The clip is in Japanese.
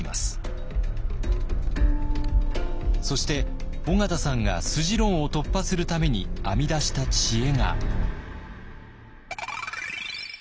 そして緒方さんが筋論を突破するために編み出した知恵が。